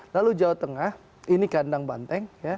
lalu jawa tengah ini kandang banteng